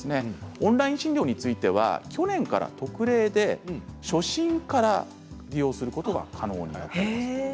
オンライン診療については去年から特例で初診から利用することが可能になりました。